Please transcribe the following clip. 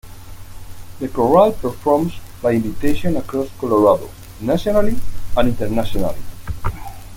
The Chorale performs by invitation across Colorado, nationally and internationally.